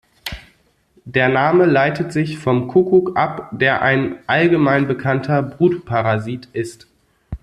Der Name leitet sich vom Kuckuck ab, der ein allgemein bekannter Brutparasit ist.